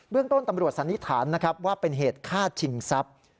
เรื่องต้นตำรวจสันนิษฐานนะครับว่าเป็นเหตุฆ่าชิงทรัพย์